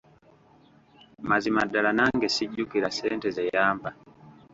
Mazima ddala nange sijjukira ssente ze yampa.